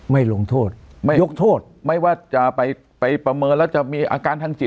ไม่ลงโทษไม่ยกโทษไม่ว่าจะไปประเมินแล้วจะมีอาการทางจิต